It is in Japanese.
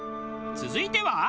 続いては。